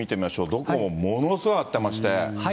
どこもものすごい上がってまして。